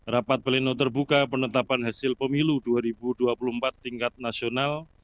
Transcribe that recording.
rapat pleno terbuka penetapan hasil pemilu dua ribu dua puluh empat tingkat nasional